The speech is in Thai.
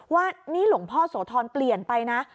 ว่านี่หลวงพ่อโสธรเปลี่ยนไปนะ